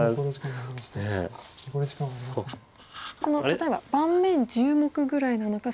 例えば盤面１０目ぐらいなのか